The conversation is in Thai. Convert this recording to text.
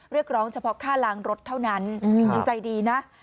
เรียกร้องเฉพาะค่าล้างรถเท่านั้นยังใจดีนะ